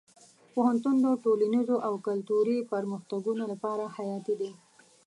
پوهنتون د ټولنیزو او کلتوري پرمختګونو لپاره حیاتي دی.